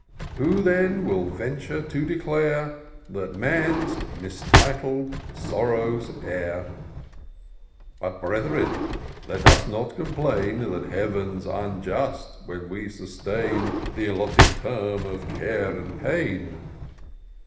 '* Who, then, will venture to declare That man's mistitled sorrow's heir ? But, brethren, let us not complain, That Heaven's unjust, when we sustain Th' allotted term of care and pain.